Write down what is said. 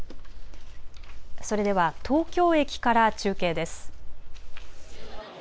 それでは東京駅から中継です。